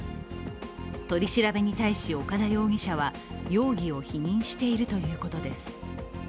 取り調べに対し、岡田容疑者は容疑を否認しているということです。